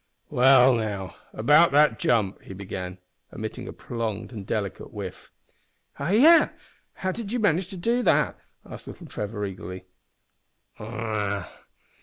"Well now, about that jump," he began, emitting a prolonged and delicate whiff. "Ah, yes! How did you manage to do it?" asked little Trevor, eagerly.